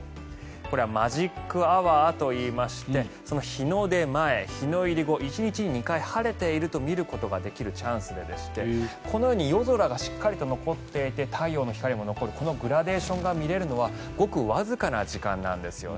これはマジックアワーといいまして日の出前、日の入り後１日に２回晴れていると見ることができるチャンスでこのように夜空がしっかり残っていて太陽の光も残るこのグラデーションが見れるのはごくわずかな時間なんです。